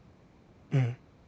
うん。